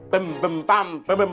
bumb bumb pump bum